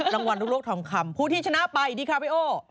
รางวัลลูกโลกทองคำผู้ที่ชนะไปดีคาริโอ